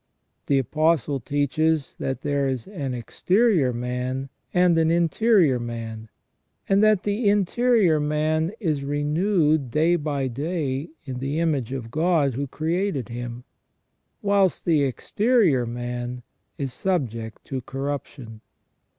The Apostle teaches that there is an exterior man and an interior man, and that the interior man is renewed day by day in the image of God who created him, whilst the exterior man is subject to corruption.